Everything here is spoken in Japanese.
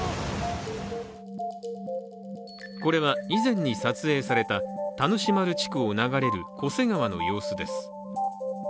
これは、以前に撮影された田主丸地区を流れる巨瀬川の様子です。